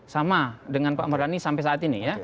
sama dengan pak mardhani sampai saat ini ya